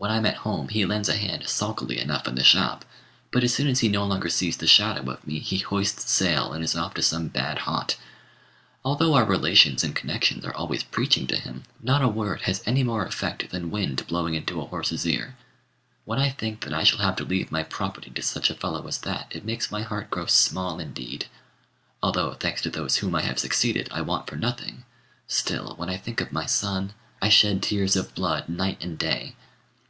When I'm at home, he lends a hand sulkily enough in the shop: but as soon as he no longer sees the shadow of me, he hoists sail and is off to some bad haunt. Although our relations and connections are always preaching to him, not a word has any more effect that wind blowing into a horse's ear. When I think that I shall have to leave my property to such a fellow as that, it makes my heart grow small indeed. Although, thanks to those to whom I have succeeded, I want for nothing, still, when I think of my son, I shed tears of blood night and day."